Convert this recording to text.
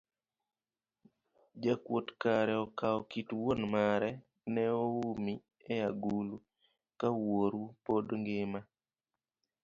Jakuot kare okawo kit wuon mare ne oumi e agulu, ka wuoru pod ngima